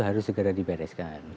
harus segera dibereskan